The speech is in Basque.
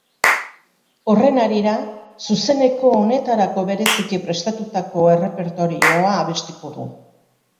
Horren harira, zuzeneko honetarako bereziki prestatutako errepertorioa abestuko du.